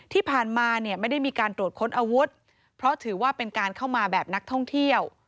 ที่ผ่านมาเนี่ยไม่ได้มีการตรวจค้นอาวุธเพราะถือว่าเป็นการเข้ามาแบบนักท่องเที่ยว